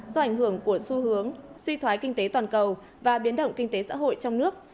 do ảnh hưởng của xu hướng suy thoái kinh tế toàn cầu và biến động kinh tế xã hội trong nước